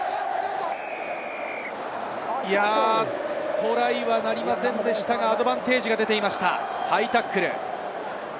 トライはなりませんでしたが、アドバンテージが出ていました、ハイタックル。